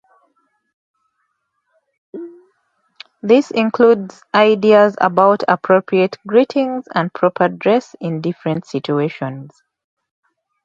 This includes ideas about appropriate greetings and proper dress in different situations.